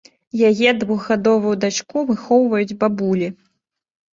Яе двухгадовую дачку выхоўваюць бабулі.